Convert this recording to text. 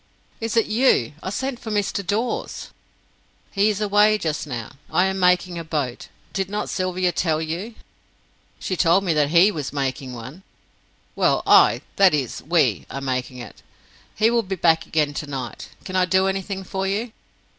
"Is it you? I sent for Mr. Dawes." "He is away just now. I am making a boat. Did not Sylvia tell you?" "She told me that he was making one." "Well, I that is, we are making it. He will be back again tonight. Can I do anything for you?"